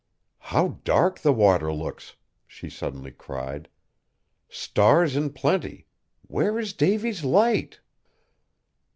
"How dark the water looks!" she suddenly cried; "stars in plenty where is Davy's Light?"